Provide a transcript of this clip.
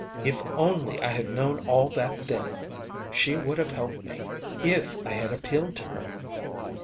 If only I had known all that then! She would have helped me if I had appealed to her.